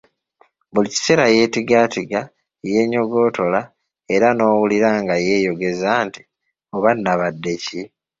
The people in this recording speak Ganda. Buli kiseera yeetigaatiga, yeetigonyoola , era n'owulira nga yeeyogeza nti, " oba nnabadde ki?